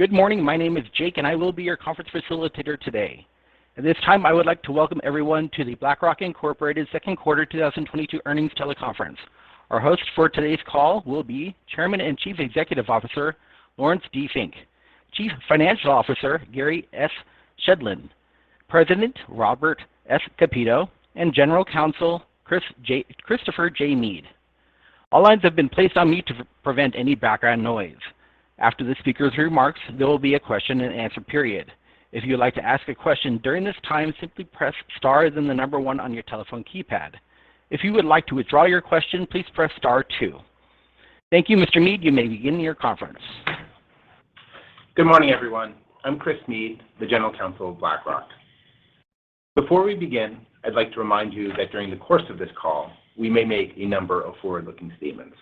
Good morning. My name is Jake, and I will be your conference facilitator today. At this time, I would like to welcome everyone to the BlackRock, Inc. second quarter 2022 earnings teleconference. Our host for today's call will be Chairman and Chief Executive Officer, Laurence D. Fink, Chief Financial Officer, Gary S. Shedlin, President, Robert S. Kapito, and General Counsel, Christopher J. Meade. All lines have been placed on mute to prevent any background noise. After the speaker's remarks, there will be a question-and-answer period. If you would like to ask a question during this time, simply press star, then the number one on your telephone keypad. If you would like to withdraw your question, please press star two. Thank you. Mr. Meade, you may begin your conference. Good morning, everyone. I'm Chris Meade, the General Counsel of BlackRock. Before we begin, I'd like to remind you that during the course of this call, we may make a number of forward-looking statements.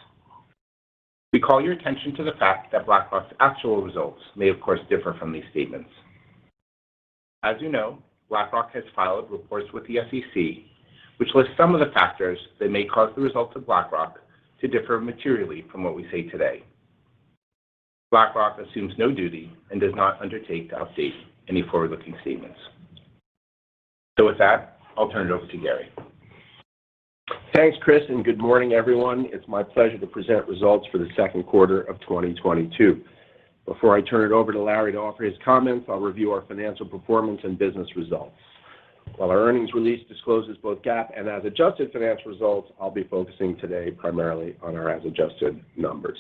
We call your attention to the fact that BlackRock's actual results may, of course, differ from these statements. As you know, BlackRock has filed reports with the SEC, which lists some of the factors that may cause the results of BlackRock to differ materially from what we say today. BlackRock assumes no duty and does not undertake to update any forward-looking statements. With that, I'll turn it over to Gary. Thanks, Chris, and good morning, everyone. It's my pleasure to present results for the second quarter of 2022. Before I turn it over to Larry to offer his comments, I'll review our financial performance and business results. While our earnings release discloses both GAAP and as adjusted finance results, I'll be focusing today primarily on our as adjusted numbers.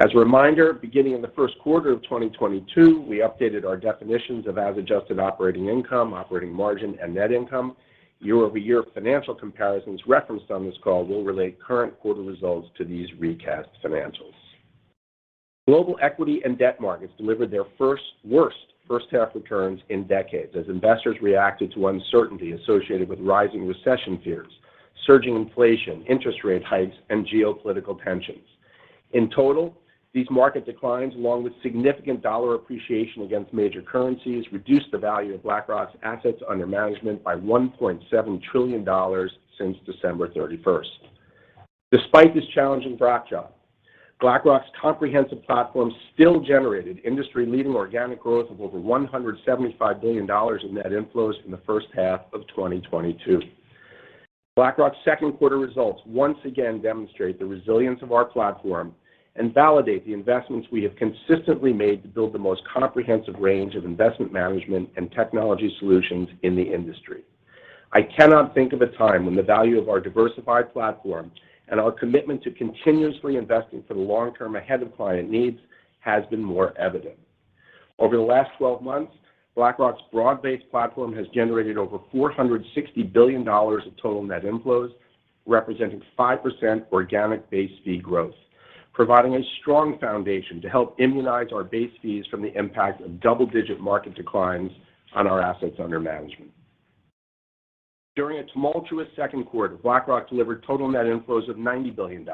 As a reminder, beginning in the first quarter of 2022, we updated our definitions of as adjusted operating income, operating margin, and net income. Year-over-year financial comparisons referenced on this call will relate current quarter results to these recast financials. Global equity and debt markets delivered their worst first half returns in decades as investors reacted to uncertainty associated with rising recession fears, surging inflation, interest rate hikes, and geopolitical tensions. In total, these market declines, along with significant dollar appreciation against major currencies, reduced the value of BlackRock's assets under management by $1.7 trillion since December 31. Despite this challenging backdrop, BlackRock's comprehensive platform still generated industry-leading organic growth of over $175 billion in net inflows in the first half of 2022. BlackRock's second quarter results once again demonstrate the resilience of our platform and validate the investments we have consistently made to build the most comprehensive range of investment management and technology solutions in the industry. I cannot think of a time when the value of our diversified platform and our commitment to continuously investing for the long term ahead of client needs has been more evident. Over the last 12 months, BlackRock's broad-based platform has generated over $460 billion of total net inflows, representing 5% organic base fee growth, providing a strong foundation to help immunize our base fees from the impact of double-digit market declines on our assets under management. During a tumultuous second quarter, BlackRock delivered total net inflows of $90 billion,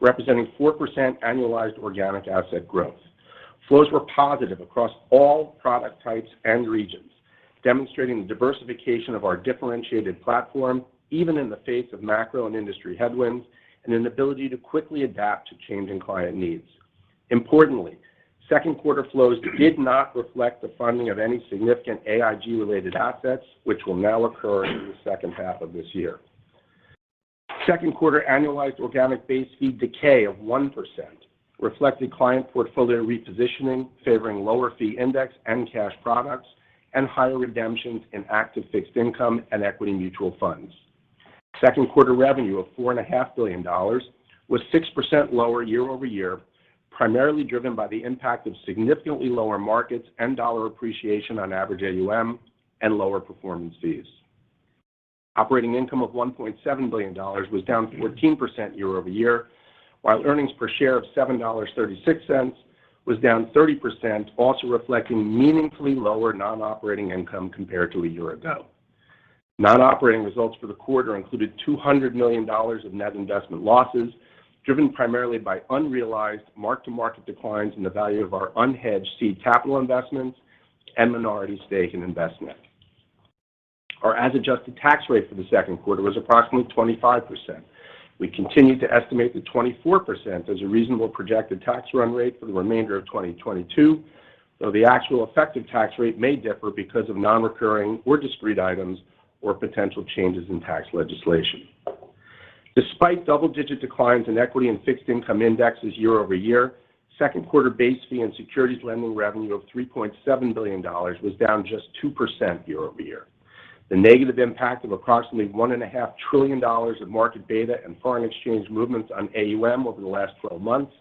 representing 4% annualized organic asset growth. Flows were positive across all product types and regions, demonstrating the diversification of our differentiated platform, even in the face of macro and industry headwinds, and an ability to quickly adapt to changing client needs. Importantly, second quarter flows did not reflect the funding of any significant AIG-related assets, which will now occur in the second half of this year. Second quarter annualized organic base fee decay of 1% reflected client portfolio repositioning, favoring lower fee index and cash products, and higher redemptions in active fixed income and equity mutual funds. Second quarter revenue of $4.5 billion was 6% lower year-over-year, primarily driven by the impact of significantly lower markets and dollar appreciation on average AUM and lower performance fees. Operating income of $1.7 billion was down 14% year-over-year, while earnings per share of $7.36 was down 30%, also reflecting meaningfully lower non-operating income compared to a year ago. Non-operating results for the quarter included $200 million of net investment losses, driven primarily by unrealized mark-to-market declines in the value of our unhedged seed capital investments and minority stake in Investment. Our as-adjusted tax rate for the second quarter was approximately 25%. We continue to estimate that 24% as a reasonable projected tax run rate for the remainder of 2022, though the actual effective tax rate may differ because of non-recurring or discrete items or potential changes in tax legislation. Despite double-digit declines in equity and fixed income indexes year over year, second quarter base fee and securities lending revenue of $3.7 billion was down just 2% year over year. The negative impact of approximately $1.5 trillion of market beta and foreign exchange movements on AUM over the last 12 months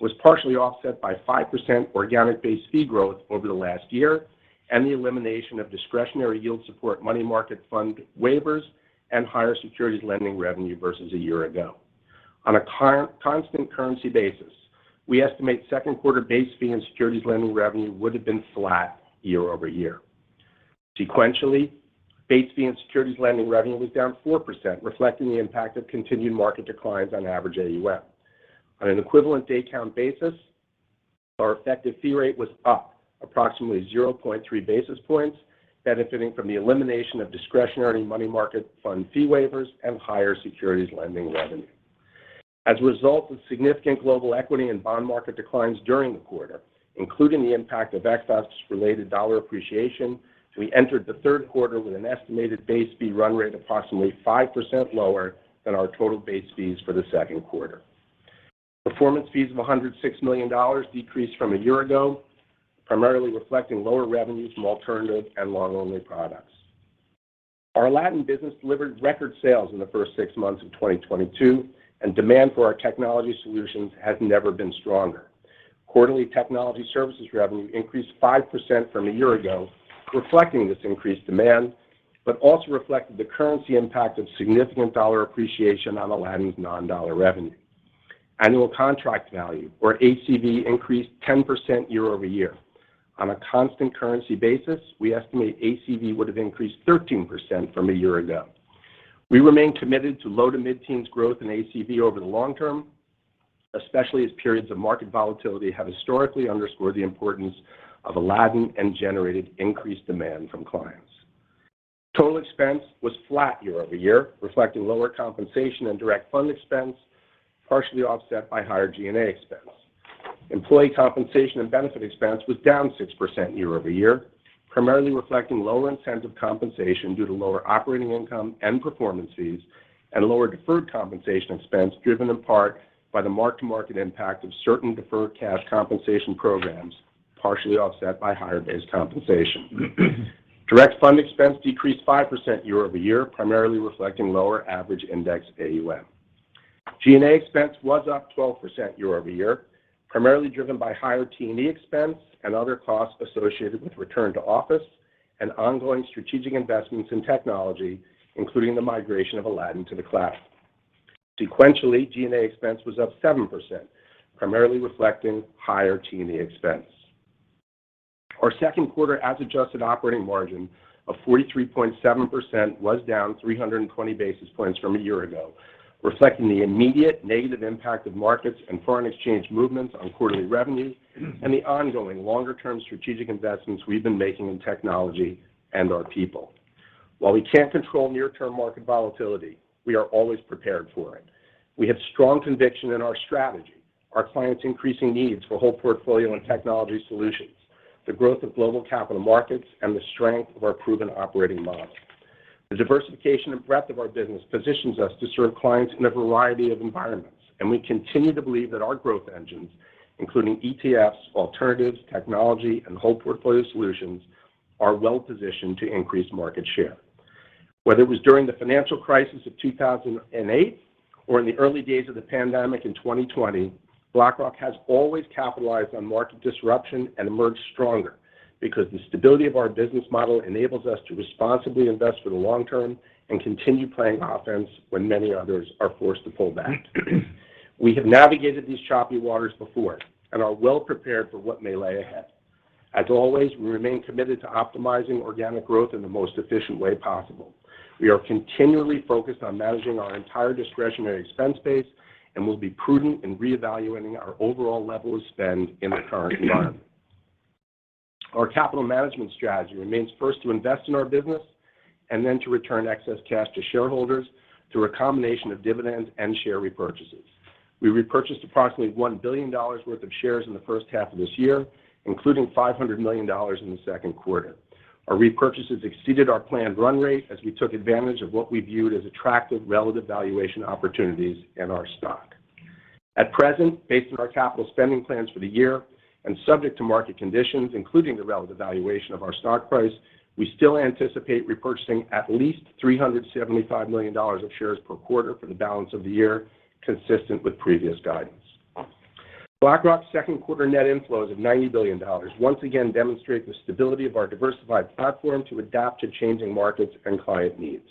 was partially offset by 5% organic base fee growth over the last year and the elimination of discretionary yield support money market fund waivers and higher securities lending revenue versus a year ago. On a constant currency basis, we estimate second quarter base fee and securities lending revenue would have been flat year-over-year. Sequentially, base fee and securities lending revenue was down 4%, reflecting the impact of continued market declines on average AUM. On an equivalent day count basis, our effective fee rate was up approximately 0.3 basis points benefiting from the elimination of discretionary money market fund fee waivers and higher securities lending revenue. As a result of significant global equity and bond market declines during the quarter, including the impact of FX related dollar appreciation, we entered the third quarter with an estimated base fee run rate approximately 5% lower than our total base fees for the second quarter. Performance fees of $106 million decreased from a year ago, primarily reflecting lower revenues from alternative and long-only products. Our Aladdin business delivered record sales in the first six months of 2022, and demand for our technology solutions has never been stronger. Quarterly technology services revenue increased 5% from a year ago, reflecting this increased demand, but also reflected the currency impact of significant dollar appreciation on Aladdin's non-dollar revenue. Annual contract value, or ACV, increased 10% year-over-year. On a constant currency basis, we estimate ACV would have increased 13% from a year ago. We remain committed to low- to mid-teens growth in ACV over the long term, especially as periods of market volatility have historically underscored the importance of Aladdin and generated increased demand from clients. Total expense was flat year-over-year, reflecting lower compensation and direct fund expense, partially offset by higher G&A expense. Employee compensation and benefit expense was down 6% year-over-year, primarily reflecting lower incentive compensation due to lower operating income and performance fees, and lower deferred compensation expense driven in part by the mark-to-market impact of certain deferred cash compensation programs, partially offset by higher base compensation. Direct fund expense decreased 5% year-over-year, primarily reflecting lower average index AUM. G&A expense was up 12% year-over-year, primarily driven by higher T&E expense and other costs associated with return to office and ongoing strategic investments in technology, including the migration of Aladdin to the cloud. Sequentially, G&A expense was up 7%, primarily reflecting higher T&E expense. Our second quarter as-adjusted operating margin of 43.7% was down 320 basis points from a year ago, reflecting the immediate negative impact of markets and foreign exchange movements on quarterly revenue and the ongoing longer-term strategic investments we've been making in technology and our people. While we can't control near-term market volatility, we are always prepared for it. We have strong conviction in our strategy, our clients' increasing needs for whole portfolio and technology solutions, the growth of global capital markets, and the strength of our proven operating model. The diversification and breadth of our business positions us to serve clients in a variety of environments, and we continue to believe that our growth engines, including ETFs, alternatives, technology, and whole portfolio solutions, are well-positioned to increase market share. Whether it was during the financial crisis of 2008 or in the early days of the pandemic in 2020, BlackRock has always capitalized on market disruption and emerged stronger because the stability of our business model enables us to responsibly invest for the long term and continue playing offense when many others are forced to pull back. We have navigated these choppy waters before and are well prepared for what may lay ahead. As always, we remain committed to optimizing organic growth in the most efficient way possible. We are continually focused on managing our entire discretionary expense base and will be prudent in reevaluating our overall level of spend in the current environment. Our capital management strategy remains first to invest in our business and then to return excess cash to shareholders through a combination of dividends and share repurchases. We repurchased approximately $1 billion worth of shares in the first half of this year, including $500 million in the second quarter. Our repurchases exceeded our planned run rate as we took advantage of what we viewed as attractive relative valuation opportunities in our stock. At present, based on our capital spending plans for the year and subject to market conditions, including the relative valuation of our stock price, we still anticipate repurchasing at least $375 million of shares per quarter for the balance of the year, consistent with previous guidance. BlackRock's second quarter net inflows of $90 billion once again demonstrate the stability of our diversified platform to adapt to changing markets and client needs.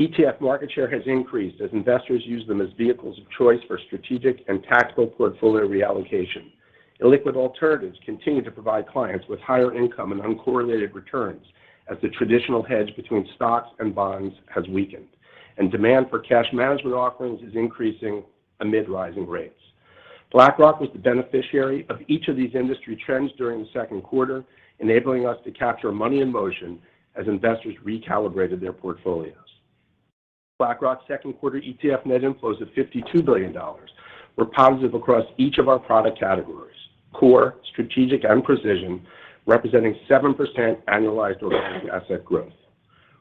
ETF market share has increased as investors use them as vehicles of choice for strategic and tactical portfolio reallocation. Illiquid alternatives continue to provide clients with higher income and uncorrelated returns as the traditional hedge between stocks and bonds has weakened, and demand for cash management offerings is increasing amid rising rates. BlackRock was the beneficiary of each of these industry trends during the second quarter, enabling us to capture money in motion as investors recalibrated their portfolios. BlackRock's second quarter ETF net inflows of $52 billion were positive across each of our product categories, core, strategic, and precision, representing 7% annualized organic asset growth.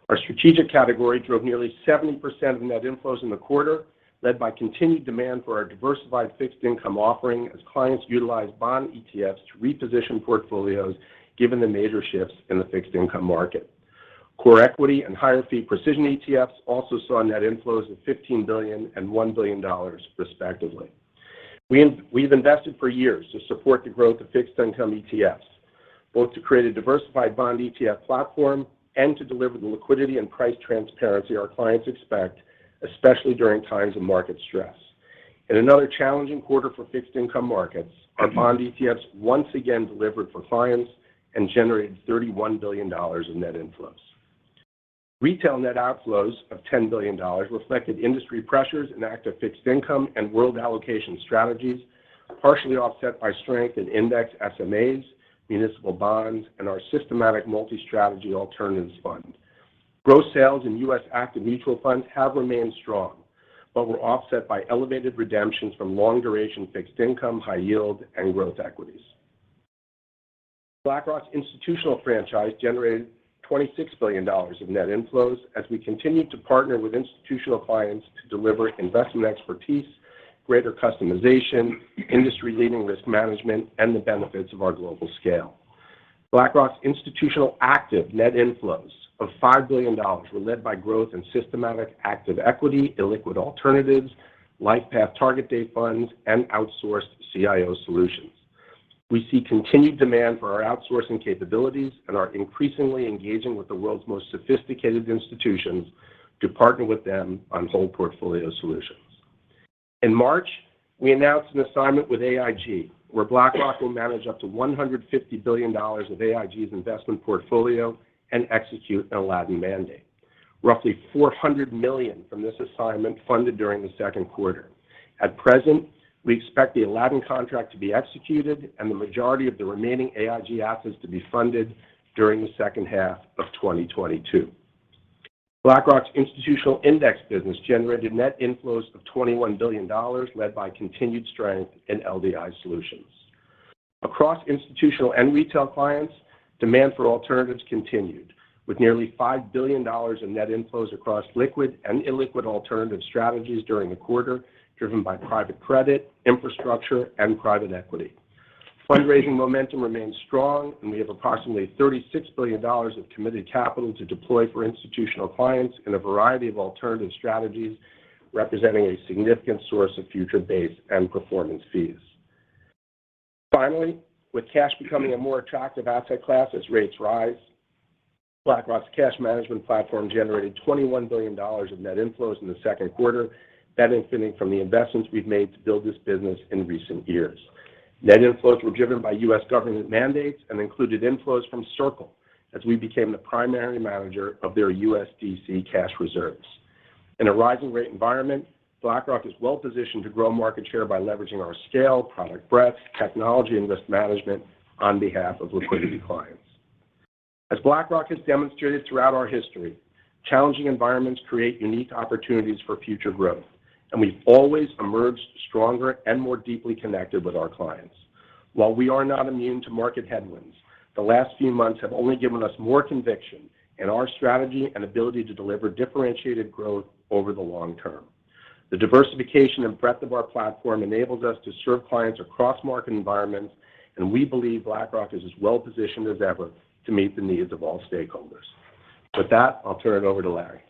Our strategic category drove nearly 70% of net inflows in the quarter, led by continued demand for our diversified fixed income offering as clients utilized bond ETFs to reposition portfolios given the major shifts in the fixed income market. Core equity and higher fee precision ETFs also saw net inflows of $15 billion and $1 billion, respectively. We've invested for years to support the growth of fixed income ETFs, both to create a diversified bond ETF platform and to deliver the liquidity and price transparency our clients expect, especially during times of market stress. In another challenging quarter for fixed income markets, our bond ETFs once again delivered for clients and generated $31 billion in net inflows. Retail net outflows of $10 billion reflected industry pressures in active fixed income and world allocation strategies, partially offset by strength in index SMAs, municipal bonds, and our systematic multi-strategy alternatives fund. Gross sales in U.S. active mutual funds have remained strong, but were offset by elevated redemptions from long duration fixed income, high yield and growth equities. BlackRock's institutional franchise generated $26 billion of net inflows as we continued to partner with institutional clients to deliver investment expertise, greater customization, industry-leading risk management, and the benefits of our global scale. BlackRock's institutional active net inflows of $5 billion were led by growth in systematic active equity, illiquid alternatives, LifePath target-date funds, and outsourced CIO solutions. We see continued demand for our outsourcing capabilities and are increasingly engaging with the world's most sophisticated institutions to partner with them on whole portfolio solutions. In March, we announced an assignment with AIG, where BlackRock will manage up to $150 billion of AIG's investment portfolio and execute an Aladdin mandate. Roughly $400 million from this assignment funded during the second quarter. At present, we expect the Aladdin contract to be executed and the majority of the remaining AIG assets to be funded during the second half of 2022. BlackRock's institutional index business generated net inflows of $21 billion, led by continued strength in LDI solutions. Across institutional and retail clients, demand for alternatives continued, with nearly $5 billion in net inflows across liquid and illiquid alternative strategies during the quarter, driven by private credit, infrastructure, and private equity. Fundraising momentum remains strong, and we have approximately $36 billion of committed capital to deploy for institutional clients in a variety of alternative strategies, representing a significant source of future base and performance fees. Finally, with cash becoming a more attractive asset class as rates rise, BlackRock's cash management platform generated $21 billion of net inflows in the second quarter, benefiting from the investments we've made to build this business in recent years. Net inflows were driven by U.S. government mandates and included inflows from Circle as we became the primary manager of their USDC cash reserves. In a rising rate environment, BlackRock is well positioned to grow market share by leveraging our scale, product breadth, technology, and risk management on behalf of liquidity clients. As BlackRock has demonstrated throughout our history, challenging environments create unique opportunities for future growth, and we've always emerged stronger and more deeply connected with our clients. While we are not immune to market headwinds, the last few months have only given us more conviction in our strategy and ability to deliver differentiated growth over the long term. The diversification and breadth of our platform enables us to serve clients across market environments, and we believe BlackRock is as well positioned as ever to meet the needs of all stakeholders. With that, I'll turn it over to Larry.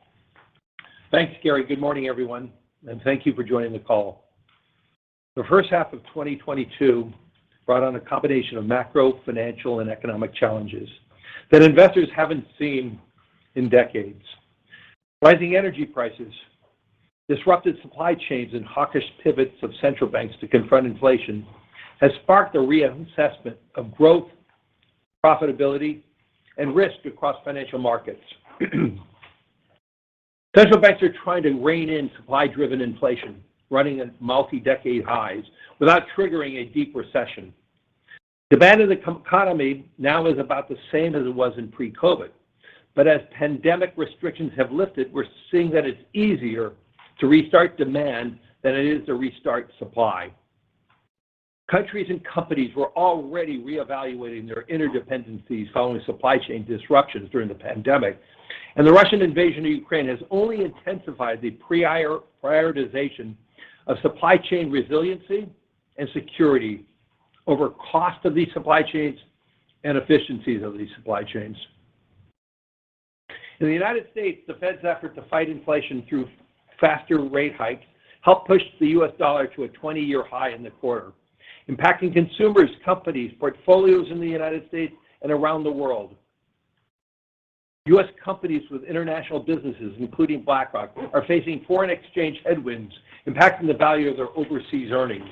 Thanks, Gary. Good morning, everyone, and thank you for joining the call. The first half of 2022 brought on a combination of macro, financial, and economic challenges that investors haven't seen in decades. Rising energy prices, disrupted supply chains and hawkish pivots of central banks to confront inflation has sparked a reassessment of growth, profitability, and risk across financial markets. Central banks are trying to rein in supply-driven inflation, running at multi-decade highs without triggering a deep recession. Demand in the economy now is about the same as it was in pre-COVID. As pandemic restrictions have lifted, we're seeing that it's easier to restart demand than it is to restart supply. Countries and companies were already reevaluating their interdependencies following supply chain disruptions during the pandemic, and the Russian invasion of Ukraine has only intensified the prior-prioritization of supply chain resiliency and security over cost of these supply chains and efficiencies of these supply chains. In the United States, the Fed's effort to fight inflation through faster rate hikes helped push the US dollar to a 20-year high in the quarter, impacting consumers, companies, portfolios in the United States and around the world. U.S. companies with international businesses, including BlackRock, are facing foreign exchange headwinds impacting the value of their overseas earnings.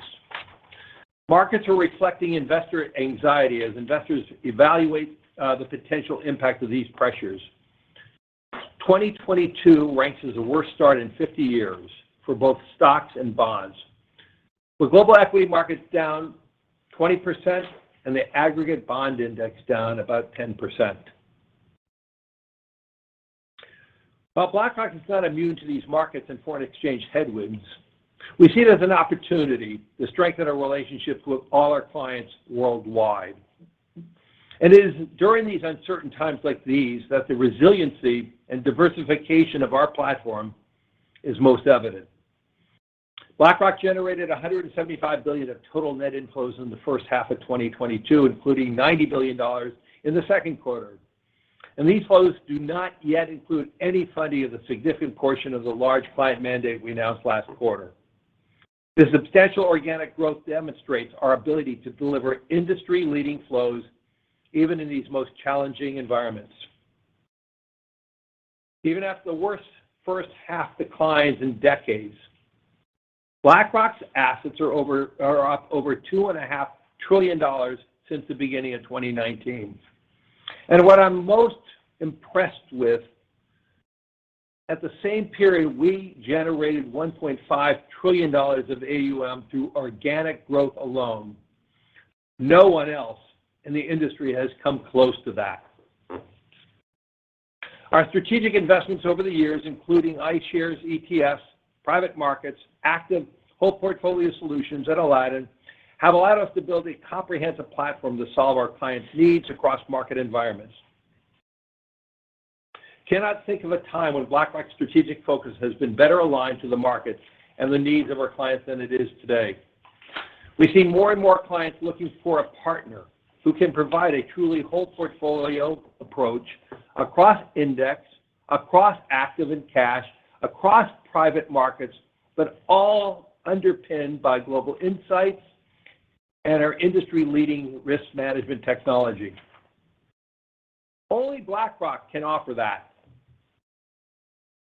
Markets are reflecting investor anxiety as investors evaluate the potential impact of these pressures. 2022 ranks as the worst start in 50 years for both stocks and bonds, with global equity markets down 20% and the aggregate bond index down about 10%. While BlackRock is not immune to these markets and foreign exchange headwinds, we see it as an opportunity to strengthen our relationships with all our clients worldwide. It is during these uncertain times like these that the resiliency and diversification of our platform is most evident. BlackRock generated $175 billion of total net inflows in the first half of 2022, including $90 billion in the second quarter. These flows do not yet include any funding of the significant portion of the large client mandate we announced last quarter. The substantial organic growth demonstrates our ability to deliver industry-leading flows even in these most challenging environments. Even after the worst first half declines in decades, BlackRock's assets are up over $2.5 trillion since the beginning of 2019. What I'm most impressed with, at the same period, we generated $1.5 trillion of AUM through organic growth alone. No one else in the industry has come close to that. Our strategic investments over the years, including iShares, ETFs, private markets, active whole portfolio solutions at Aladdin have allowed us to build a comprehensive platform to solve our clients' needs across market environments. Cannot think of a time when BlackRock's strategic focus has been better aligned to the markets and the needs of our clients than it is today. We see more and more clients looking for a partner who can provide a truly whole portfolio approach across index, across active and cash, across private markets, but all underpinned by global insights and our industry-leading risk management technology. Only BlackRock can offer that.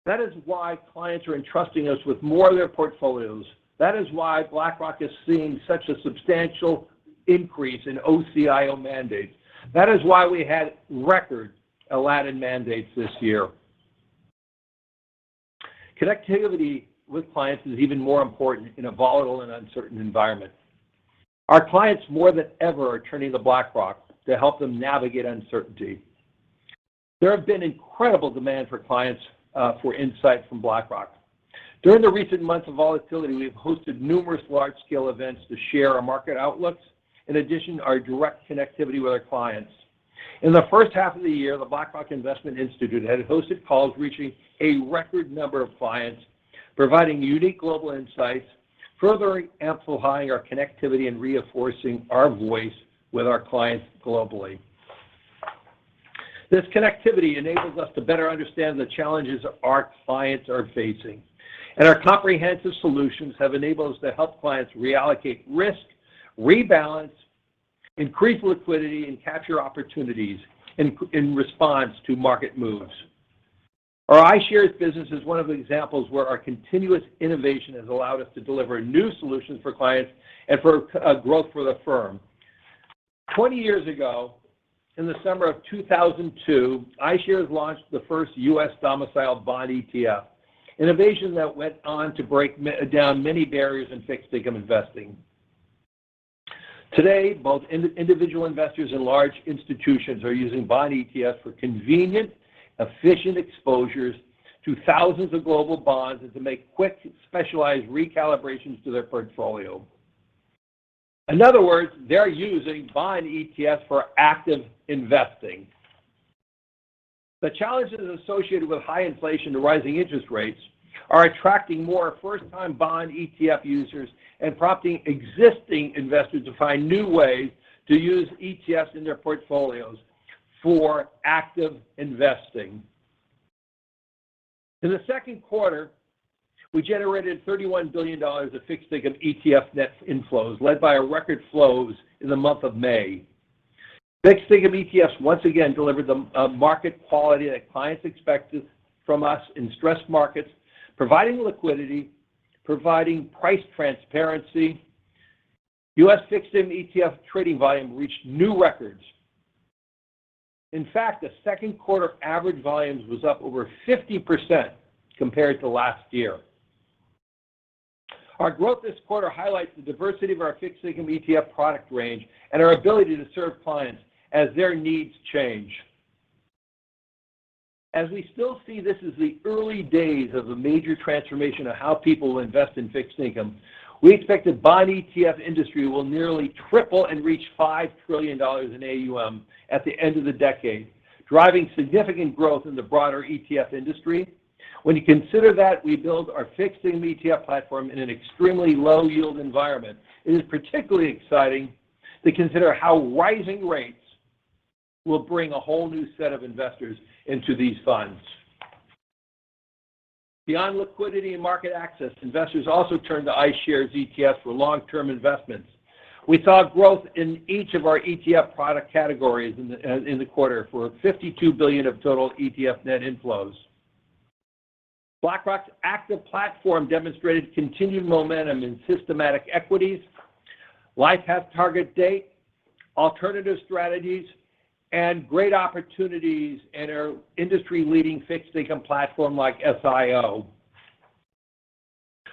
That is why clients are entrusting us with more of their portfolios. That is why BlackRock is seeing such a substantial increase in OCIO mandates. That is why we had record Aladdin mandates this year. Connectivity with clients is even more important in a volatile and uncertain environment. Our clients, more than ever, are turning to BlackRock to help them navigate uncertainty. There have been incredible demand for clients, for insight from BlackRock. During the recent months of volatility, we've hosted numerous large-scale events to share our market outlooks. In addition, our direct connectivity with our clients. In the first half of the year, the BlackRock Investment Institute had hosted calls reaching a record number of clients, providing unique global insights, further amplifying our connectivity and reinforcing our voice with our clients globally. This connectivity enables us to better understand the challenges our clients are facing. Our comprehensive solutions have enabled us to help clients reallocate risk, rebalance, increase liquidity, and capture opportunities in response to market moves. Our iShares business is one of the examples where our continuous innovation has allowed us to deliver new solutions for clients and for growth for the firm. 20 years ago, in the summer of 2002, iShares launched the first U.S. domiciled bond ETF, innovation that went on to break down many barriers in fixed income investing. Today, both individual investors and large institutions are using bond ETFs for convenient, efficient exposures to thousands of global bonds and to make quick, specialized recalibrations to their portfolio. In other words, they're using bond ETFs for active investing. The challenges associated with high inflation to rising interest rates are attracting more first-time bond ETF users and prompting existing investors to find new ways to use ETFs in their portfolios for active investing. In the second quarter, we generated $31 billion of fixed income ETF net inflows, led by our record flows in the month of May. Fixed income ETFs once again delivered the market quality that clients expected from us in stressed markets, providing liquidity, providing price transparency. U.S. fixed income ETF trading volume reached new records. In fact, the second quarter average volumes was up over 50% compared to last year. Our growth this quarter highlights the diversity of our fixed income ETF product range and our ability to serve clients as their needs change. As we still see this as the early days of a major transformation of how people will invest in fixed income, we expect the bond ETF industry will nearly triple and reach $5 trillion in AUM at the end of the decade, driving significant growth in the broader ETF industry. When you consider that we build our fixed income ETF platform in an extremely low yield environment, it is particularly exciting to consider how rising rates will bring a whole new set of investors into these funds. Beyond liquidity and market access, investors also turn to iShares ETFs for long-term investments. We saw growth in each of our ETF product categories in the quarter for $52 billion of total ETF net inflows. BlackRock's active platform demonstrated continued momentum in systematic equities, LifePath target-date, alternative strategies, and great opportunities in our industry-leading fixed income platform like SIO.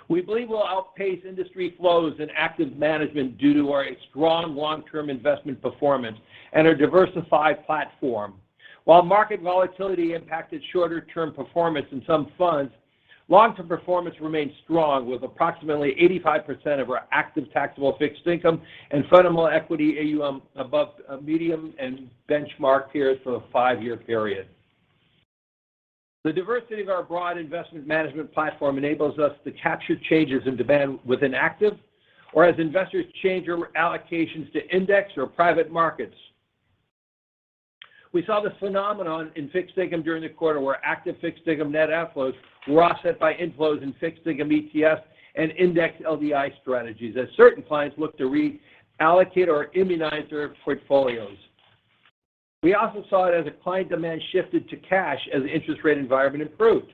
We believe we'll outpace industry flows and active management due to our strong long-term investment performance and our diversified platform. While market volatility impacted shorter-term performance in some funds, long-term performance remained strong with approximately 85% of our active taxable fixed income and fundamental equity AUM above medium and benchmark peers for a five-year period. The diversity of our broad investment management platform enables us to capture changes in demand within active or as investors change their allocations to index or private markets. We saw this phenomenon in fixed income during the quarter where active fixed income net outflows were offset by inflows in fixed income ETFs and index LDI strategies as certain clients looked to reallocate or immunize their portfolios. We also saw it as a client demand shifted to cash as the interest rate environment improved.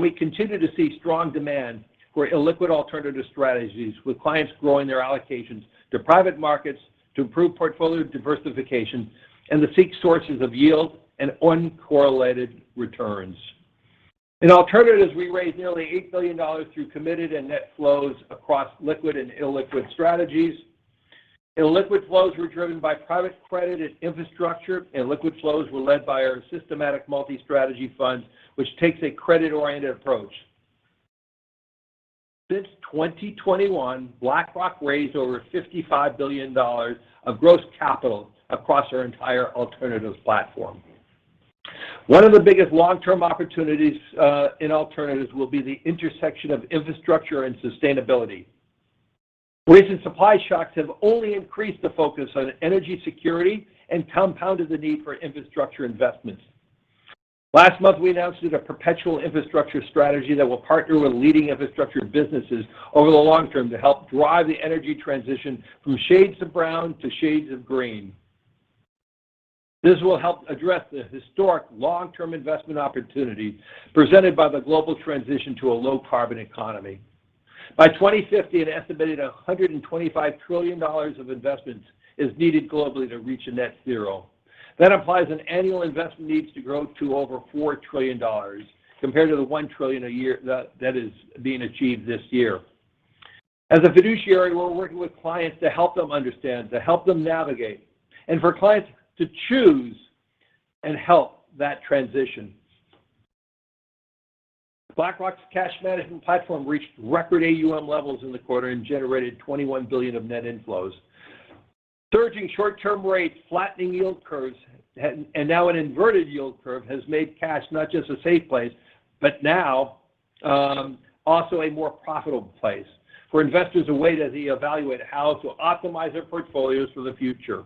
We continue to see strong demand for illiquid alternative strategies, with clients growing their allocations to private markets to improve portfolio diversification and to seek sources of yield and uncorrelated returns. In alternatives, we raised nearly $8 billion through committed and net flows across liquid and illiquid strategies. Illiquid flows were driven by private credit and infrastructure, and liquid flows were led by our systematic multi-strategy fund, which takes a credit-oriented approach. Since 2021, BlackRock raised over $55 billion of gross capital across our entire alternatives platform. One of the biggest long-term opportunities in alternatives will be the intersection of infrastructure and sustainability. Recent supply shocks have only increased the focus on energy security and compounded the need for infrastructure investments. Last month, we announced a perpetual infrastructure strategy that will partner with leading infrastructure businesses over the long term to help drive the energy transition from shades of brown to shades of green. This will help address the historic long-term investment opportunity presented by the global transition to a low carbon economy. By 2050, an estimated $125 trillion of investments is needed globally to reach a net zero. That implies an annual investment needs to grow to over $4 trillion compared to the $1 trillion a year that is being achieved this year. As a fiduciary, we're working with clients to help them understand, to help them navigate, and for clients to choose and help that transition. BlackRock's cash management platform reached record AUM levels in the quarter and generated $21 billion of net inflows. Surging short-term rates, flattening yield curves, and now an inverted yield curve has made cash not just a safe place, but now, also a more profitable place for investors as they evaluate how to optimize their portfolios for the future.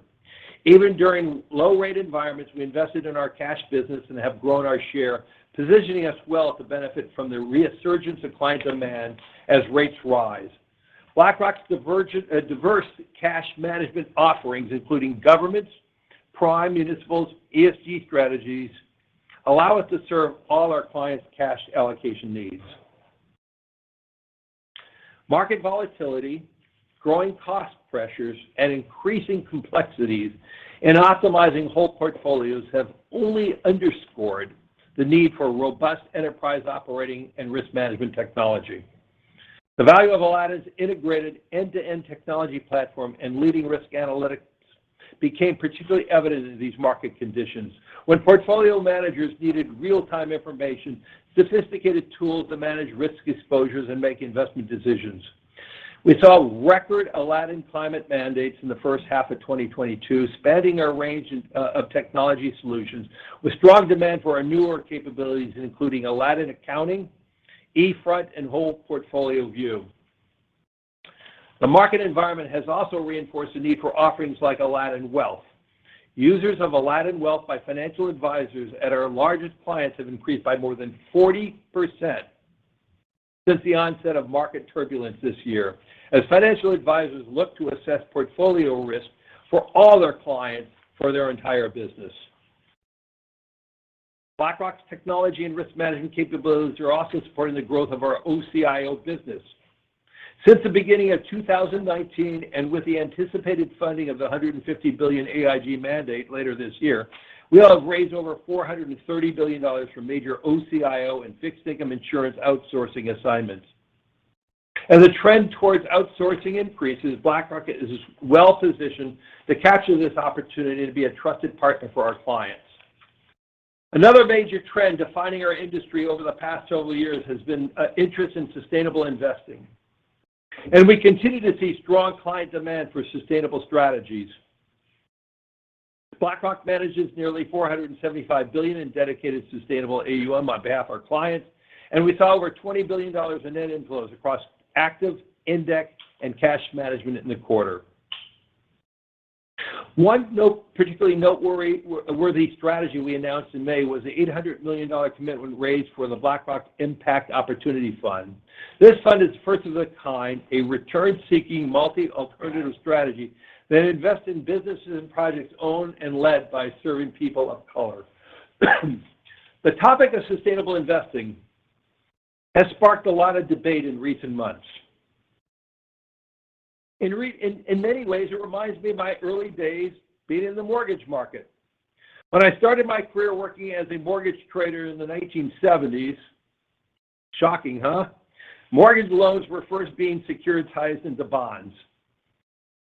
Even during low-rate environments, we invested in our cash business and have grown our share, positioning us well to benefit from the resurgence of client demand as rates rise. BlackRock's diverse cash management offerings, including governments, prime municipals, ESG strategies, allow us to serve all our clients' cash allocation needs. Market volatility, growing cost pressures, and increasing complexities in optimizing whole portfolios have only underscored the need for robust enterprise operating and risk management technology. The value of Aladdin's integrated end-to-end technology platform and leading risk analytics became particularly evident in these market conditions when portfolio managers needed real-time information, sophisticated tools to manage risk exposures and make investment decisions. We saw record Aladdin Climate mandates in the first half of 2022, spanning our range of technology solutions with strong demand for our newer capabilities, including Aladdin Accounting, eFront and Whole Portfolio View. The market environment has also reinforced the need for offerings like Aladdin Wealth. Users of Aladdin Wealth by financial advisors at our largest clients have increased by more than 40% since the onset of market turbulence this year as financial advisors look to assess portfolio risk for all their clients for their entire business. BlackRock's technology and risk management capabilities are also supporting the growth of our OCIO business. Since the beginning of 2019 and with the anticipated funding of the $150 billion AIG mandate later this year, we have raised over $430 billion from major OCIO and fixed income insurance outsourcing assignments. As the trend towards outsourcing increases, BlackRock is well-positioned to capture this opportunity to be a trusted partner for our clients. Another major trend defining our industry over the past several years has been interest in sustainable investing, and we continue to see strong client demand for sustainable strategies. BlackRock manages nearly $475 billion in dedicated sustainable AUM on behalf of our clients, and we saw over $20 billion in net inflows across active, index, and cash management in the quarter. One note, particularly noteworthy strategy we announced in May was the $800 million commitment raised for the BlackRock Impact Opportunity Fund. This fund is first of its kind, a return-seeking, multi-alternative strategy that invests in businesses and projects owned or led by people of color. The topic of sustainable investing has sparked a lot of debate in recent months. In many ways, it reminds me of my early days being in the mortgage market. When I started my career working as a mortgage trader in the 1970s, shocking, huh? Mortgage loans were first being securitized into bonds.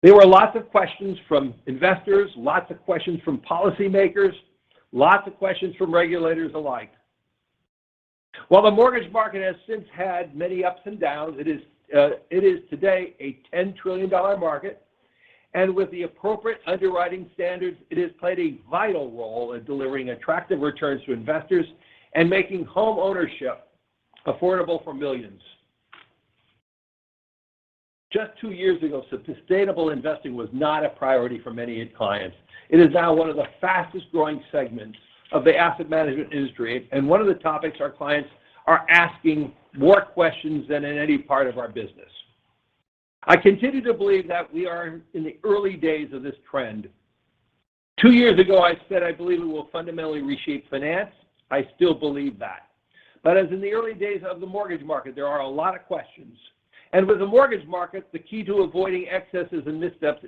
There were lots of questions from investors, lots of questions from policymakers, lots of questions from regulators alike. While the mortgage market has since had many ups and downs, it is today a $10 trillion market. With the appropriate underwriting standards, it has played a vital role in delivering attractive returns to investors and making home ownership affordable for millions. Just two years ago, sustainable investing was not a priority for many clients. It is now one of the fastest-growing segments of the asset management industry and one of the topics our clients are asking more questions than in any part of our business. I continue to believe that we are in the early days of this trend. Two years ago, I said I believe it will fundamentally reshape finance. I still believe that. But as in the early days of the mortgage market, there are a lot of questions. With the mortgage market, the key to avoiding excesses and missteps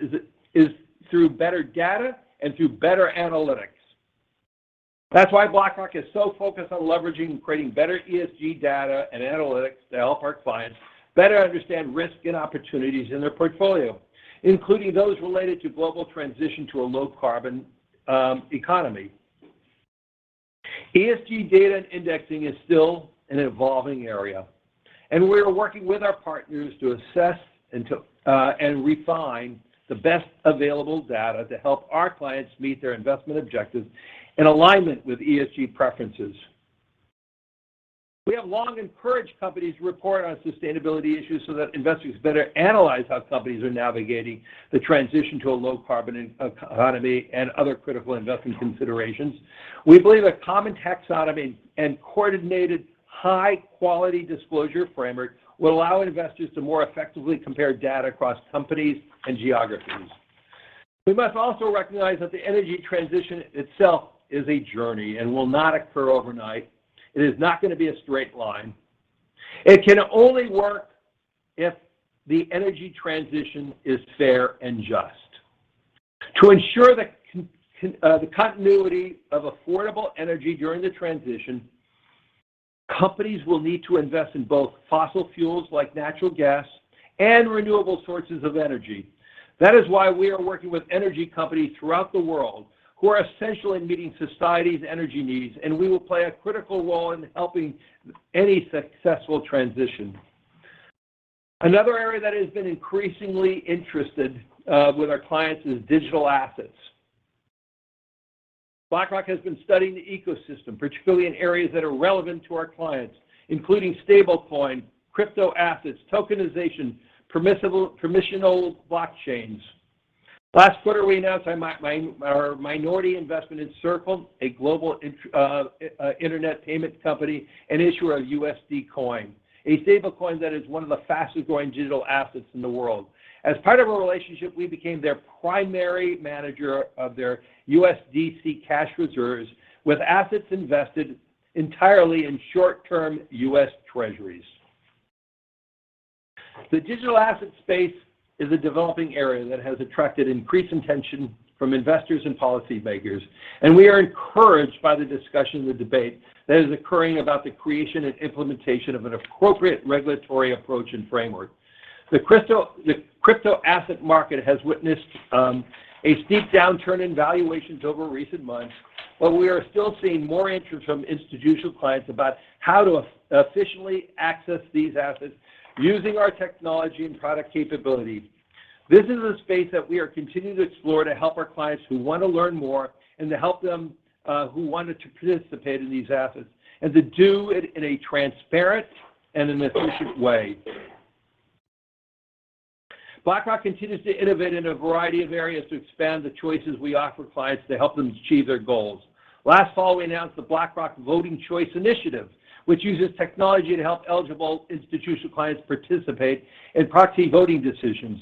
is through better data and through better analytics. That's why BlackRock is so focused on leveraging and creating better ESG data and analytics to help our clients better understand risk and opportunities in their portfolio, including those related to global transition to a low carbon economy. ESG data and indexing is still an evolving area, and we are working with our partners to assess and refine the best available data to help our clients meet their investment objectives in alignment with ESG preferences. We have long encouraged companies to report on sustainability issues so that investors better analyze how companies are navigating the transition to a low carbon economy and other critical investment considerations. We believe a common taxonomy and coordinated high-quality disclosure framework will allow investors to more effectively compare data across companies and geographies. We must also recognize that the energy transition itself is a journey and will not occur overnight. It is not gonna be a straight line. It can only work if the energy transition is fair and just. To ensure the continuity of affordable energy during the transition, companies will need to invest in both fossil fuels like natural gas and renewable sources of energy. That is why we are working with energy companies throughout the world who are essential in meeting society's energy needs, and we will play a critical role in helping any successful transition. Another area that has been of increasing interest to our clients is digital assets. BlackRock has been studying the ecosystem, particularly in areas that are relevant to our clients, including stablecoin, crypto assets, tokenization, permissioned blockchains. Last quarter, we announced our minority investment in Circle, a global internet payment company and issuer of USD Coin, a stablecoin that is one of the fastest-growing digital assets in the world. As part of our relationship, we became their primary manager of their USDC cash reserves, with assets invested entirely in short-term U.S. Treasuries. The digital asset space is a developing area that has attracted increased attention from investors and policymakers, and we are encouraged by the discussion and the debate that is occurring about the creation and implementation of an appropriate regulatory approach and framework. The crypto asset market has witnessed a steep downturn in valuations over recent months, but we are still seeing more interest from institutional clients about how to efficiently access these assets using our technology and product capability. This is a space that we are continuing to explore to help our clients who wanna learn more and to help them, who wanted to participate in these assets, and to do it in a transparent and an efficient way. BlackRock continues to innovate in a variety of areas to expand the choices we offer clients to help them achieve their goals. Last fall, we announced the BlackRock Voting Choice initiative, which uses technology to help eligible institutional clients participate in proxy voting decisions.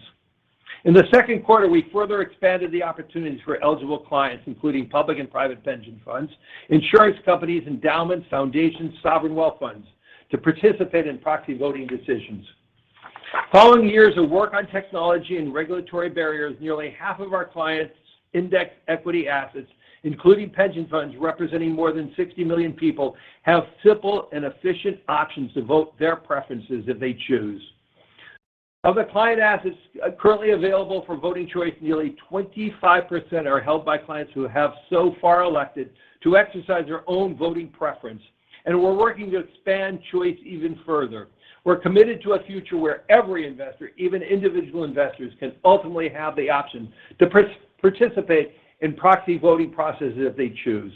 In the second quarter, we further expanded the opportunities for eligible clients, including public and private pension funds, insurance companies, endowments, foundations, sovereign wealth funds, to participate in proxy voting decisions. Following years of work on technology and regulatory barriers, nearly half of our clients' index equity assets, including pension funds representing more than 60 million people, have simple and efficient options to vote their preferences if they choose. Of the client assets currently available for voting choice, nearly 25% are held by clients who have so far elected to exercise their own voting preference, and we're working to expand choice even further. We're committed to a future where every investor, even individual investors, can ultimately have the option to participate in proxy voting processes if they choose.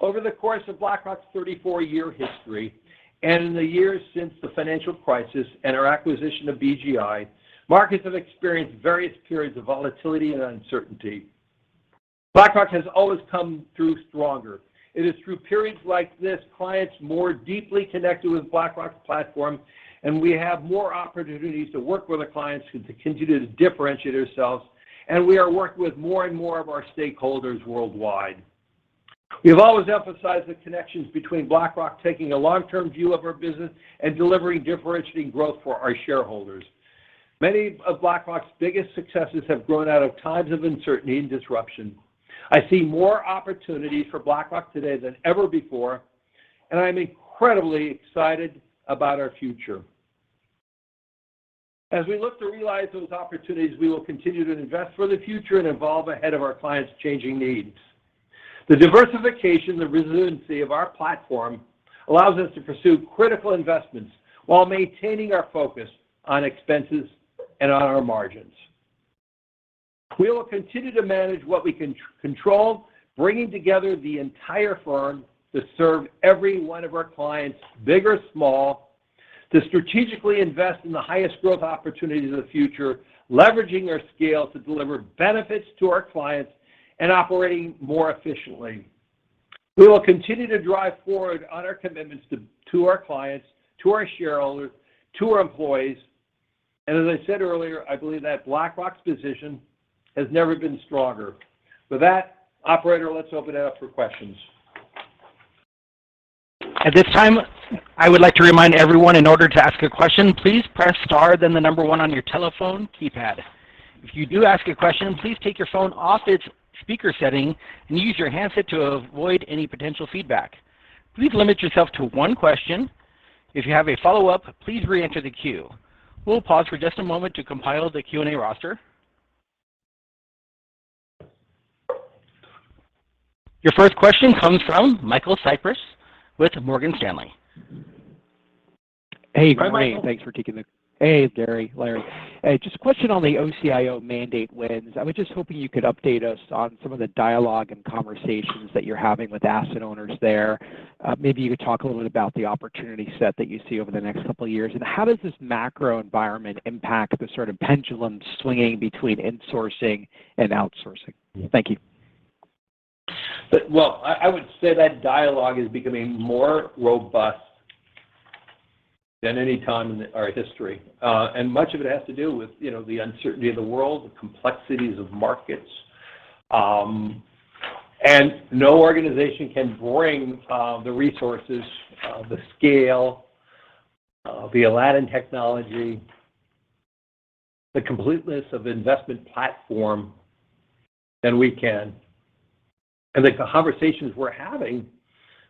Over the course of BlackRock's 34-year history, and in the years since the financial crisis and our acquisition of BGI, markets have experienced various periods of volatility and uncertainty. BlackRock has always come through stronger. It is through periods like this clients more deeply connected with BlackRock's platform, and we have more opportunities to work with the clients who continue to differentiate themselves, and we are working with more and more of our stakeholders worldwide. We have always emphasized the connections between BlackRock taking a long-term view of our business and delivering differentiating growth for our shareholders. Many of BlackRock's biggest successes have grown out of times of uncertainty and disruption. I see more opportunities for BlackRock today than ever before, and I'm incredibly excited about our future. As we look to realize those opportunities, we will continue to invest for the future and evolve ahead of our clients' changing needs. The diversification and resiliency of our platform allows us to pursue critical investments while maintaining our focus on expenses and on our margins. We will continue to manage what we control, bringing together the entire firm to serve every one of our clients, big or small, to strategically invest in the highest growth opportunities of the future, leveraging our scale to deliver benefits to our clients, and operating more efficiently. We will continue to drive forward on our commitments to our clients, to our shareholders, to our employees. As I said earlier, I believe that BlackRock's position has never been stronger. With that, operator, let's open it up for questions. At this time, I would like to remind everyone, in order to ask a question, please press star then the number one on your telephone keypad. If you do ask a question, please take your phone off its speaker setting and use your handset to avoid any potential feedback. Please limit yourself to one question. If you have a follow-up, please reenter the queue. We'll pause for just a moment to compile the Q&A roster. Your first question comes from Michael Cyprys with Morgan Stanley. Hi, Michael. Hey, Gary, Larry. Just a question on the OCIO mandate wins. I was just hoping you could update us on some of the dialogue and conversations that you're having with asset owners there. Maybe you could talk a little bit about the opportunity set that you see over the next couple of years. How does this macro environment impact the sort of pendulum swinging between insourcing and outsourcing? Thank you. I would say that dialogue is becoming more robust than any time in our history. Much of it has to do with, you know, the uncertainty of the world, the complexities of markets. No organization can bring the resources, the scale, the Aladdin technology, the completeness of investment platform than we can. The conversations we're having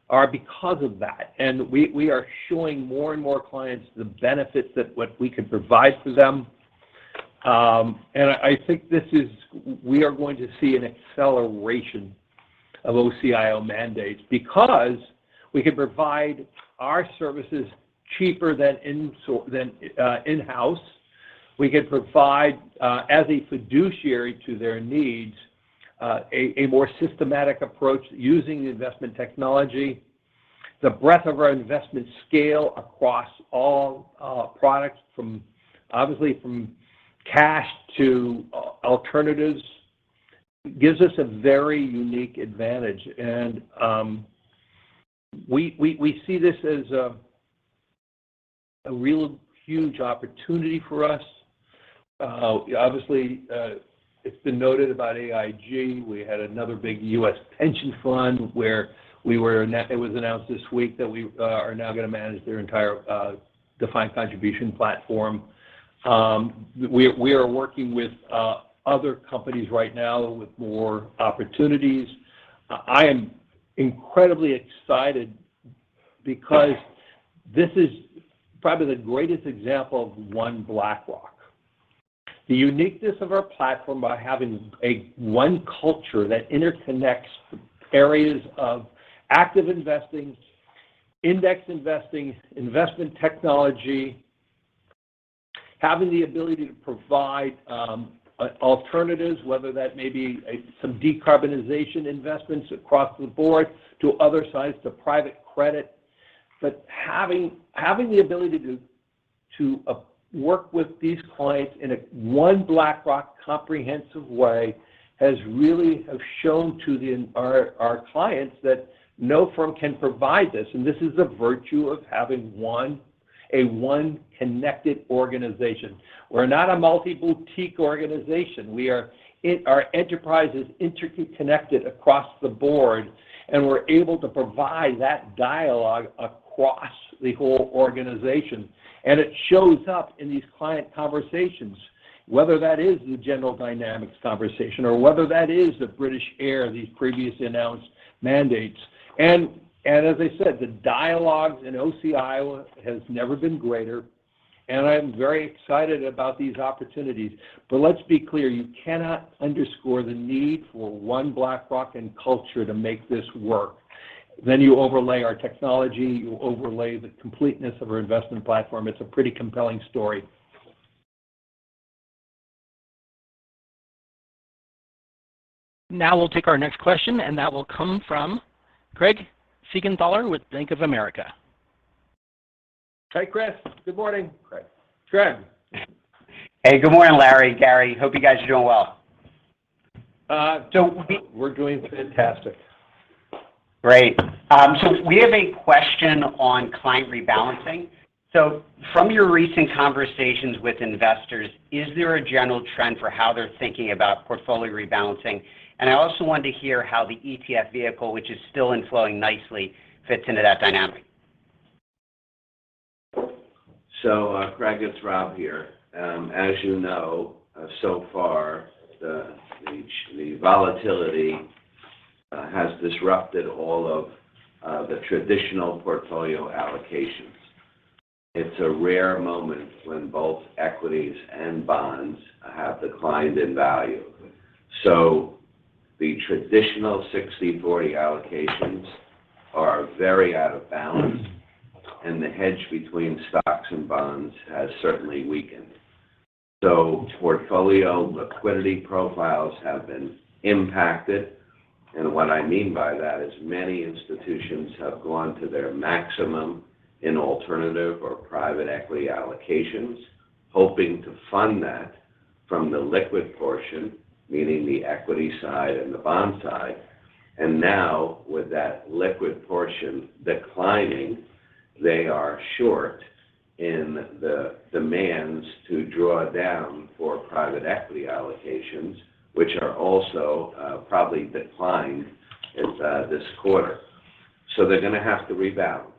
are because of that. We are showing more and more clients the benefits that what we can provide to them. I think this is we are going to see an acceleration of OCIO mandates because we can provide our services cheaper than in-house. We can provide as a fiduciary to their needs, a more systematic approach using investment technology. The breadth of our investment scale across all products from obviously from cash to alternatives gives us a very unique advantage. We see this as a real huge opportunity for us. Obviously, it's been noted about AIG. We had another big U.S. pension fund. It was announced this week that we are now gonna manage their entire defined contribution platform. We are working with other companies right now with more opportunities. I am incredibly excited because this is probably the greatest example of one BlackRock. The uniqueness of our platform by having a one culture that interconnects areas of active investing, index investing, investment technology, having the ability to provide alternatives, whether that may be some decarbonization investments across the board to other sides, to private credit. Having the ability to work with these clients in a one BlackRock comprehensive way has really shown to our clients that no firm can provide this. This is a virtue of having a one connected organization. We're not a multi-boutique organization. Our enterprise is intricately connected across the board, and we're able to provide that dialogue across the whole organization. It shows up in these client conversations, whether that is the General Dynamics conversation or whether that is the British Airways, these previously announced mandates. As I said, the dialogues in OCIO has never been greater, and I'm very excited about these opportunities. Let's be clear, you cannot underscore the need for one BlackRock in culture to make this work. You overlay our technology, you overlay the completeness of our investment platform. It's a pretty compelling story. Now we'll take our next question, and that will come from Craig Siegenthaler with Bank of America. Hey, Chris. Good morning. Greg. Greg. Hey, good morning, Larry, Gary. Hope you guys are doing well. We're doing fantastic. Great. We have a question on client rebalancing. From your recent conversations with investors, is there a general trend for how they're thinking about portfolio rebalancing? I also wanted to hear how the ETF vehicle, which is still inflowing nicely, fits into that dynamic. Craig Siegenthaler, it's Robert S. Kapito here. As you know, so far, the volatility has disrupted all of the traditional portfolio allocations. It's a rare moment when both equities and bonds have declined in value. The traditional 60/40 allocations are very out of balance, and the hedge between stocks and bonds has certainly weakened. Portfolio liquidity profiles have been impacted. What I mean by that is many institutions have gone to their maximum in alternative or private equity allocations, hoping to fund that. From the liquid portion, meaning the equity side and the bond side. Now with that liquid portion declining, they are short in the demands to draw down for private equity allocations, which are also probably declined in this quarter. They're gonna have to rebalance,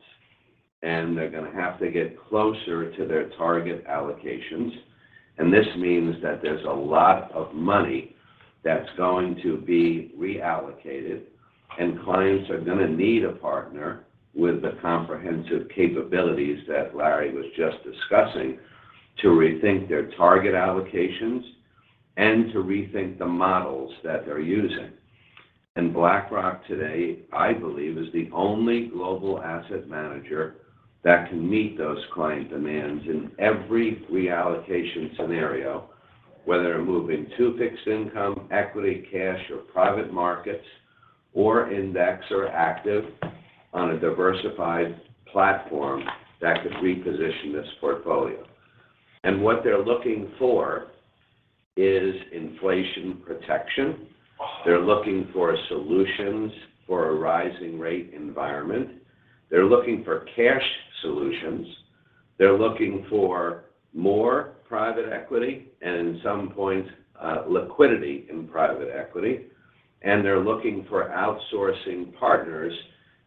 and they're gonna have to get closer to their target allocations. This means that there's a lot of money that's going to be reallocated, and clients are gonna need a partner with the comprehensive capabilities that Larry was just discussing to rethink their target allocations and to rethink the models that they're using. BlackRock today, I believe, is the only global asset manager that can meet those client demands in every reallocation scenario, whether moving to fixed income, equity, cash or private markets, or index or active on a diversified platform that could reposition this portfolio. What they're looking for is inflation protection. They're looking for solutions for a rising rate environment. They're looking for cash solutions. They're looking for more private equity and in some points, liquidity in private equity. They're looking for outsourcing partners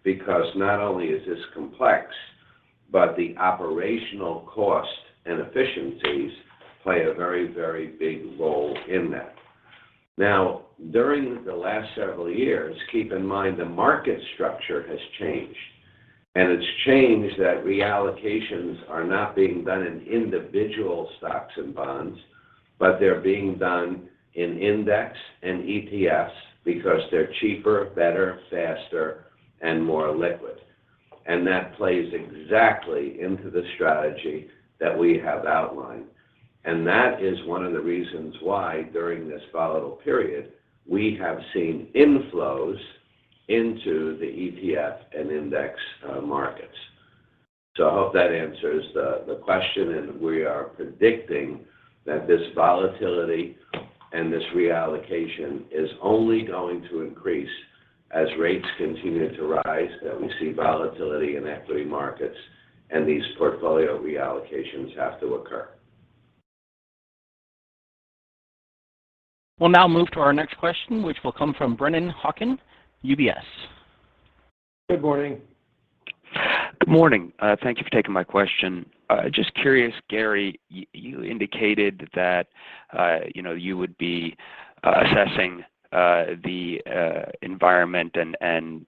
because not only is this complex, but the operational cost and efficiencies play a very, very big role in that. Now, during the last several years, keep in mind the market structure has changed, and it's changed that reallocations are not being done in individual stocks and bonds, but they're being done in index and ETFs because they're cheaper, better, faster and more liquid. That plays exactly into the strategy that we have outlined. That is one of the reasons why during this volatile period, we have seen inflows into the ETF and index markets. I hope that answers the question, and we are predicting that this volatility and this reallocation is only going to increase as rates continue to rise, that we see volatility in equity markets and these portfolio reallocations have to occur. We'll now move to our next question, which will come from Brennan Hawken, UBS. Good morning. Good morning. Thank you for taking my question. Just curious, Gary, you indicated that, you know, you would be assessing the environment and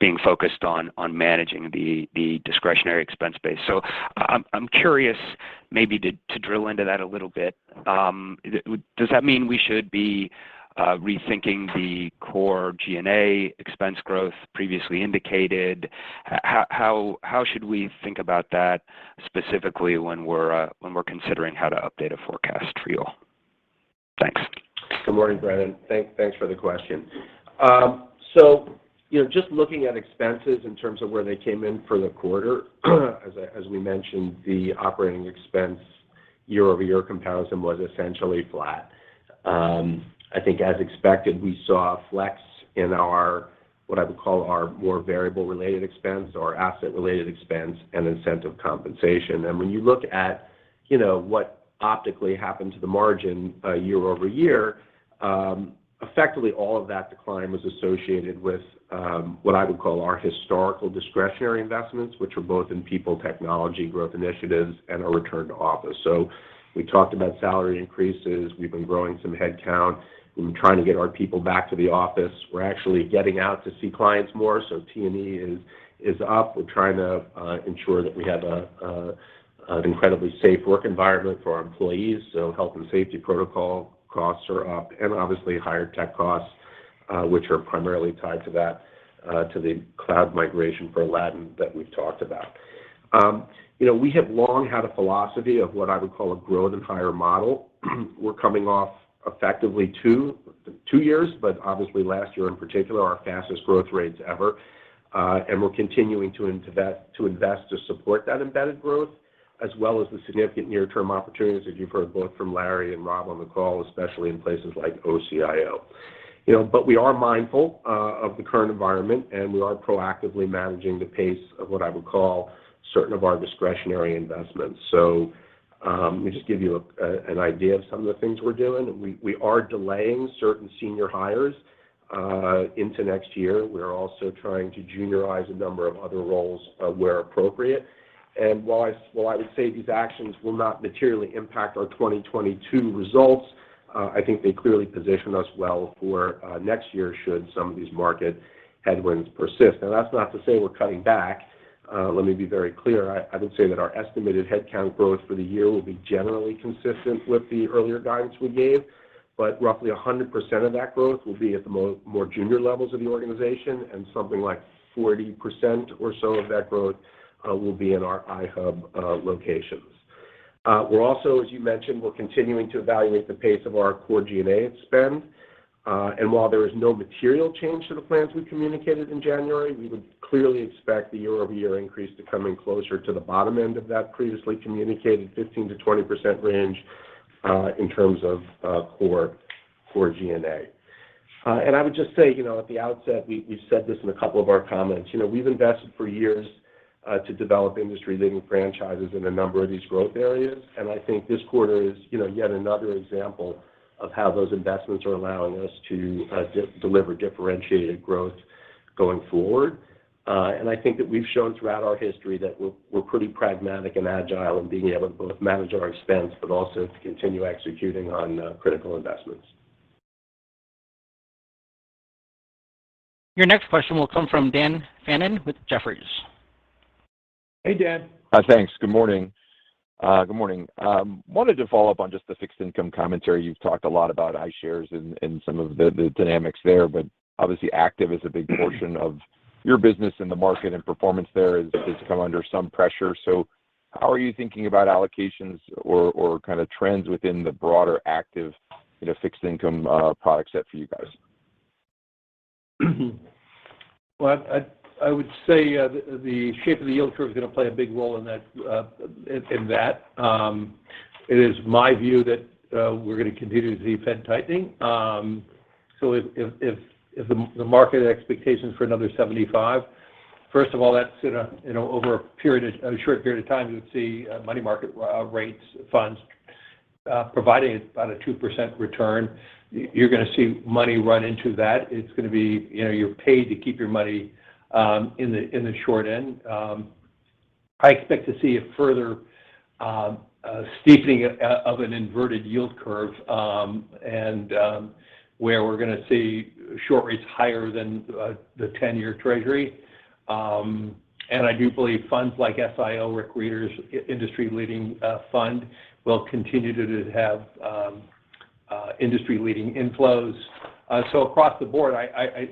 being focused on managing the discretionary expense base. I'm curious maybe to drill into that a little bit. Does that mean we should be rethinking the core G&A expense growth previously indicated? How should we think about that specifically when we're considering how to update a forecast for you all? Thanks. Good morning, Brennan. Thanks for the question. You know, just looking at expenses in terms of where they came in for the quarter, as we mentioned, the operating expense year-over-year comparison was essentially flat. I think as expected, we saw flex in our what I would call our more variable related expense or asset related expense and incentive compensation. When you look at, you know, what optically happened to the margin, year over year, effectively all of that decline was associated with what I would call our historical discretionary investments, which were both in people technology growth initiatives and a return to office. We talked about salary increases. We've been growing some headcount. We've been trying to get our people back to the office. We're actually getting out to see clients more. T&E is up. We're trying to ensure that we have an incredibly safe work environment for our employees, so health and safety protocol costs are up and obviously higher tech costs, which are primarily tied to that, the cloud migration for Aladdin that we've talked about. You know, we have long had a philosophy of what I would call a growth and hire model. We're coming off effectively two years, but obviously last year in particular, our fastest growth rates ever. We're continuing to invest to support that embedded growth as well as the significant near-term opportunities as you've heard both from Larry and Rob on the call, especially in places like OCIO. You know, we are mindful of the current environment, and we are proactively managing the pace of what I would call certain of our discretionary investments. Let me just give you an idea of some of the things we're doing. We are delaying certain senior hires into next year. We are also trying to juniorize a number of other roles where appropriate. While I would say these actions will not materially impact our 2022 results, I think they clearly position us well for next year should some of these market headwinds persist. Now, that's not to say we're cutting back. Let me be very clear. I would say that our estimated headcount growth for the year will be generally consistent with the earlier guidance we gave, but roughly 100% of that growth will be at the more junior levels of the organization and something like 40% or so of that growth will be in our iHub locations. We're also, as you mentioned, we're continuing to evaluate the pace of our core G&A spend. While there is no material change to the plans we communicated in January, we would clearly expect the year-over-year increase to come in closer to the bottom end of that previously communicated 15%-20% range, in terms of core G&A. I would just say, you know, at the outset, we've said this in a couple of our comments, you know, we've invested for years to develop industry-leading franchises in a number of these growth areas. I think this quarter is, you know, yet another example of how those investments are allowing us to deliver differentiated growth going forward. I think that we've shown throughout our history that we're pretty pragmatic and agile in being able to both manage our expense, but also to continue executing on critical investments. Your next question will come from Dan Fannon with Jefferies. Hey, Dan. Hi, thanks. Good morning. Wanted to follow up on just the fixed income commentary. You've talked a lot about iShares and some of the dynamics there, but obviously active is a big portion of your business in the market, and performance there has come under some pressure. How are you thinking about allocations or kind of trends within the broader active, you know, fixed income product set for you guys? Well, I would say the shape of the yield curve is gonna play a big role in that. It is my view that we're gonna continue to see Fed tightening. If the market expectations for another 75, first of all, that's over a short period of time, you would see money market funds providing about a 2% return. You're gonna see money run into that. It's gonna be, you know, you're paid to keep your money in the short end. I expect to see a further steepening of an inverted yield curve, and where we're gonna see short rates higher than the 10-year Treasury. I do believe funds like SIO, Rick Rieder's industry leading fund will continue to have industry leading inflows. Across the board,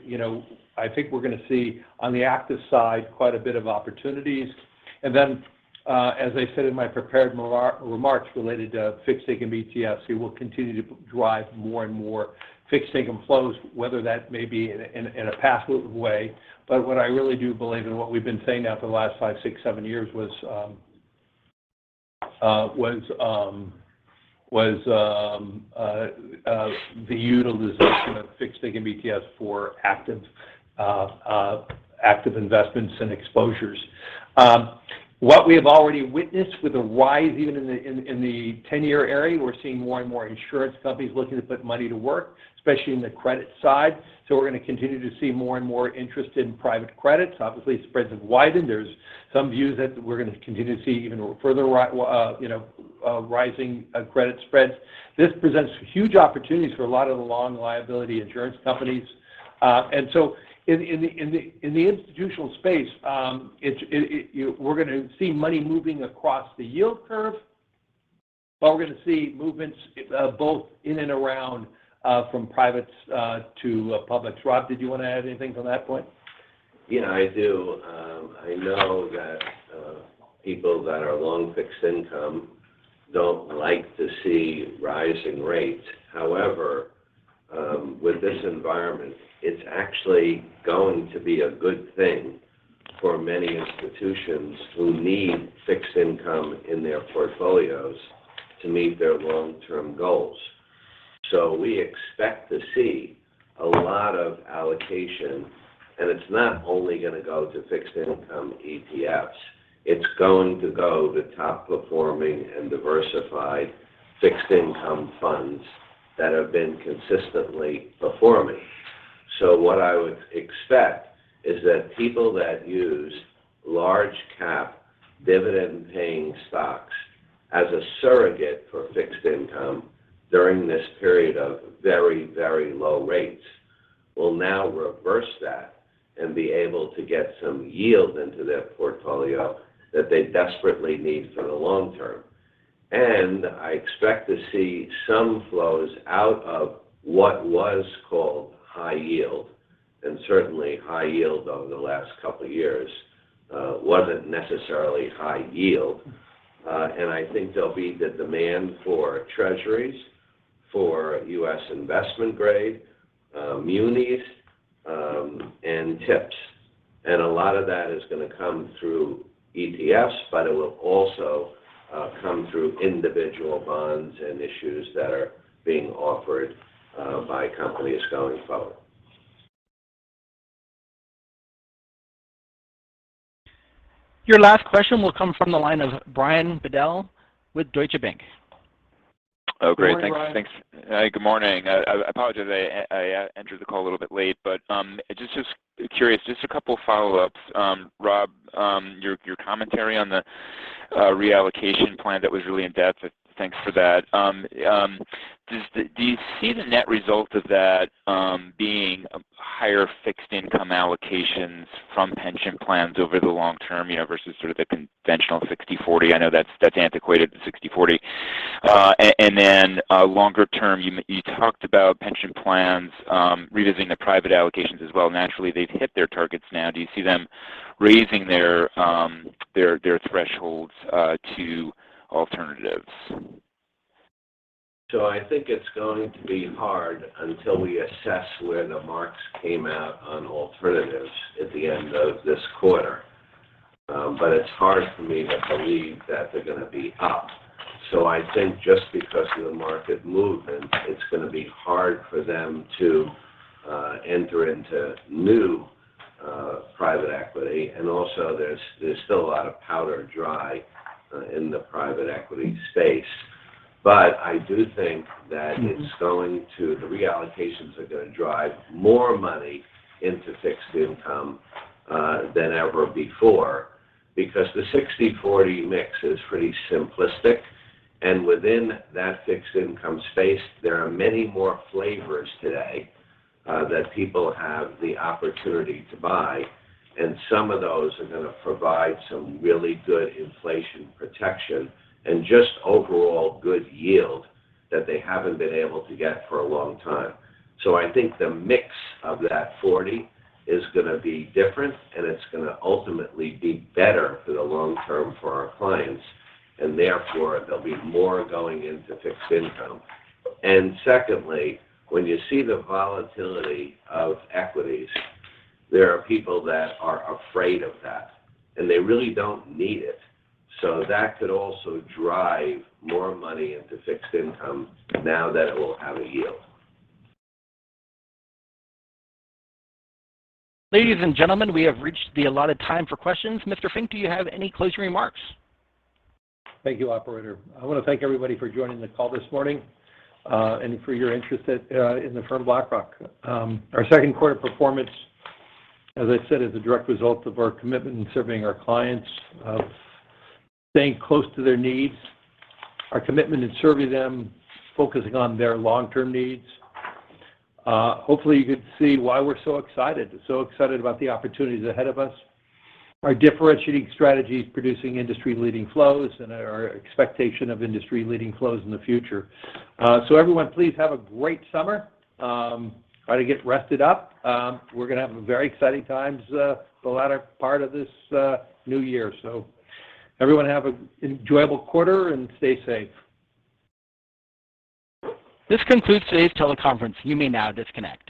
you know, I think we're gonna see on the active side quite a bit of opportunities. As I said in my prepared remarks related to fixed income ETFs, we will continue to drive more and more fixed income flows, whether that may be in a passive way. What I really do believe and what we've been saying now for the last five, six, seven years was the utilization of fixed income ETFs for active investments and exposures. What we have already witnessed with the rise even in the 10-year area, we're seeing more and more insurance companies looking to put money to work, especially in the credit side. We're gonna continue to see more and more interest in private credits. Obviously, spreads have widened. There's some views that we're gonna continue to see even further, you know, rising credit spreads. This presents huge opportunities for a lot of the long liability insurance companies. In the institutional space, we're gonna see money moving across the yield curve, but we're gonna see movements both in and around from privates to publics. Rob did you wanna add anything from that point? Yeah, I do. I know that people that are long fixed income don't like to see rising rates. However, with this environment, it's actually going to be a good thing for many institutions who need fixed income in their portfolios to meet their long-term goals. We expect to see a lot of allocation, and it's not only gonna go to fixed income ETFs, it's going to go to top performing and diversified fixed income funds that have been consistently performing. What I would expect is that people that use large cap dividend paying stocks as a surrogate for fixed income during this period of very, very low rates will now reverse that and be able to get some yield into their portfolio that they desperately need for the long term. I expect to see some flows out of what was called high yield, and certainly high yield over the last couple of years wasn't necessarily high yield. I think there'll be demand for Treasuries, for U.S. investment grade, munis, and TIPS. A lot of that is gonna come through ETFs, but it will also come through individual bonds and issues that are being offered by companies going forward. Your last question will come from the line of Brian Bedell with Deutsche Bank. Oh, great. Thanks. Good morning, Brian. Thanks. Good morning. I apologize I entered the call a little bit late, but just curious, just a couple follow-ups. Rob, your commentary on the reallocation plan that was really in-depth, thanks for that. Do you see the net result of that being higher fixed income allocations from pension plans over the long term, you know, versus sort of the conventional 60/40? I know that's antiquated, the 60/40. Longer term, you talked about pension plans revisiting the private allocations as well. Naturally, they've hit their targets now. Do you see them raising their thresholds to alternatives? I think it's going to be hard until we assess where the marks came out on alternatives at the end of this quarter. It's hard for me to believe that they're gonna be up. I think just because of the market movement, it's gonna be hard for them to enter into new private equity. Also there's still a lot of dry powder in the private equity space. I do think that it's going to. The reallocations are gonna drive more money into fixed income than ever before because the 60/40 mix is pretty simplistic, and within that fixed income space, there are many more flavors today that people have the opportunity to buy, and some of those are gonna provide some really good inflation protection and just overall good yield that they haven't been able to get for a long time. I think the mix of that 40 is gonna be different, and it's gonna ultimately be better for the long term for our clients, and therefore there'll be more going into fixed income. Secondly, when you see the volatility of equities, there are people that are afraid of that, and they really don't need it. That could also drive more money into fixed income now that it will have a yield. Ladies and gentlemen, we have reached the allotted time for questions. Mr. Fink, do you have any closing remarks? Thank you, operator. I want to thank everybody for joining the call this morning and for your interest in the firm BlackRock. Our second quarter performance, as I said, is a direct result of our commitment in serving our clients, staying close to their needs, our commitment in serving them, focusing on their long-term needs. Hopefully you can see why we're so excited about the opportunities ahead of us. Our differentiating strategy is producing industry-leading flows and our expectation of industry-leading flows in the future. Everyone please have a great summer. Try to get rested up. We're gonna have very exciting times the latter part of this new year. Everyone have an enjoyable quarter and stay safe. This concludes today's teleconference. You may now disconnect.